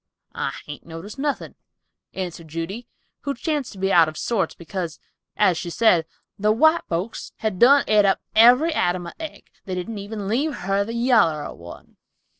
"I hain't noticed nothing" answered Judy, who chanced to be out of sorts, because, as she said, "the white folks had done et up every atom of egg; they didn't even leave her the yaller of one!"